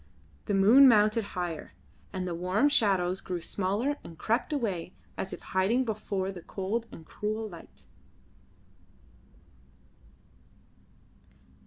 The moon mounted higher, and the warm shadows grew smaller and crept away as if hiding before the cold and cruel light.